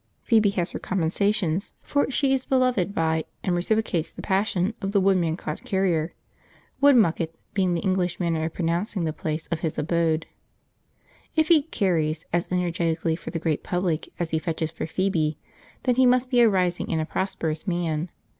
Phoebe has her compensations, for she is beloved by, and reciprocates the passion of, the Woodmancote carrier, Woodmucket being the English manner of pronouncing the place of his abode. If he "carries" as energetically for the great public as he fetches for Phoebe, then he must be a rising and a prosperous man.